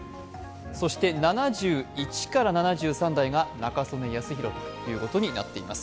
そして７１７３代が中曽根康弘ということになっています。